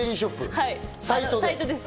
サイトです。